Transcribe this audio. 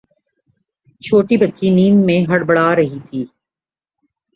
چھوٹی بچی نیند میں بڑبڑا رہی تھی